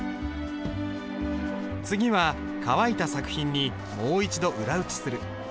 次は乾いた作品にもう一度裏打ちする。